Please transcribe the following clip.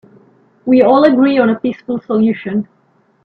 We all agree on a peaceful solution.